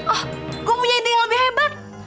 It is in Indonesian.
oh gue punya ide yang lebih hebat